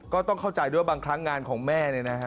ก็ต้องเข้าใจด้วยบางครั้งงานของแม่เนี่ยนะฮะ